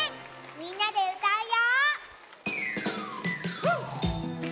みんなでうたうよ。